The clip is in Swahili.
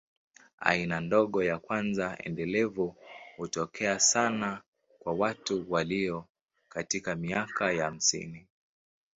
Aina ndogo ya kwanza endelevu hutokea sana kwa watu walio katika miaka ya hamsini.